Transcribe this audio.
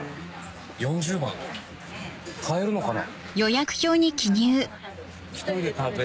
４０番買えるのかな。